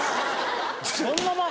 そんな前？